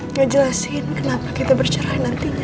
nggak jelasin kenapa kita bercerai nantinya